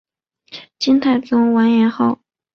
金太宗完颜晟。